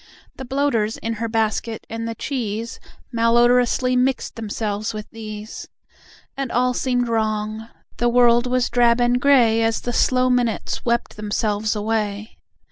The bloaters in her basket, and the cheese Malodorously mixed themselves with these. And all seemed wrong. The world was drab and grey As the slow minutes wept themselves away.